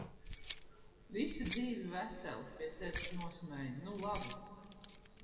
Visi dzīvi, veseli! Pie sevis nosmēju: "Nu labi!".